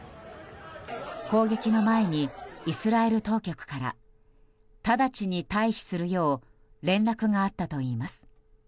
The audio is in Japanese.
攻撃の前に、イスラエル当局から直ちに退避するよう連絡があったといいます。